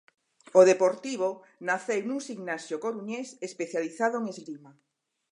O Deportivo naceu nun ximnasio coruñés especializado en esgrima.